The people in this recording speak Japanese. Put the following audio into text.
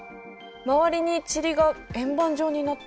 周りに塵が円盤状になってる。